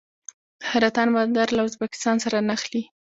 د حیرتان بندر له ازبکستان سره نښلي